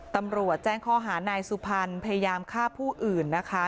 ตำรวจแจ้งข้อหานายสุพรรณพยายามฆ่าผู้อื่นนะคะ